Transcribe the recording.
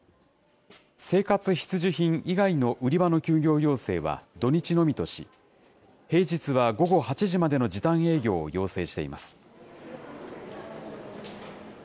生活必需品以外の売り場の休業要請は土日のみとし、平日は午後８時までの時短営業を要請しています。